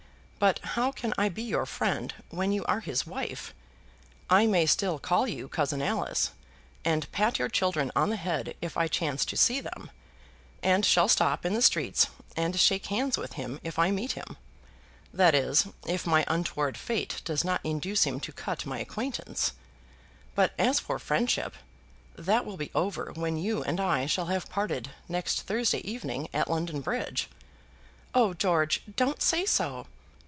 But how can I be your friend when you are his wife? I may still call you cousin Alice, and pat your children on the head if I chance to see them; and shall stop in the streets and shake hands with him if I meet him; that is if my untoward fate does not induce him to cut my acquaintance; but as for friendship, that will be over when you and I shall have parted next Thursday evening at London Bridge." "Oh, George, don't say so!"